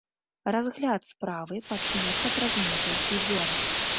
Разгляд справы пачнецца праз некалькі дзён.